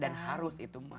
dan harus itu